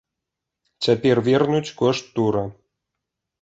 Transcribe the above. Цяпер вернуць кошт тура.